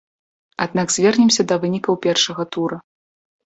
Аднак звернемся да вынікаў першага тура.